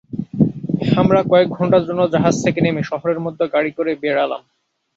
আমরা কয়েক ঘণ্টার জন্য জাহাজ থেকে নেমে শহরের মধ্যে গাড়ী করে বেড়ালাম।